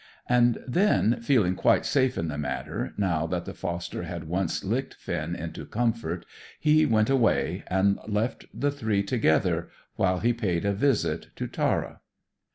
And then, feeling quite safe in the matter, now that the foster had once licked Finn into comfort, he went away, and left the three together while he paid a visit to Tara.